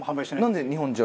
なんで日本じゃ？